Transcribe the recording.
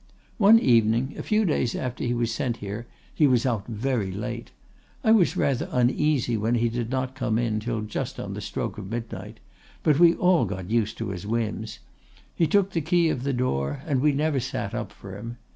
"'One evening, a few days after he was sent here, he was out very late. I was rather uneasy when he did not come in till just on the stroke of midnight; but we all got used to his whims; he took the key of the door, and we never sat up for him.